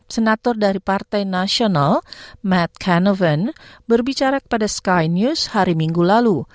senator dari partai nasional matt kanoven berbicara kepada sky news hari minggu lalu